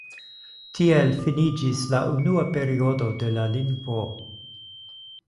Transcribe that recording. Tiel finiĝis la unua periodo de la lingvo.